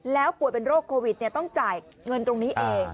แล้วป่วยเป็นโรคโควิดต้องจ่ายเงินตรงนี้เอง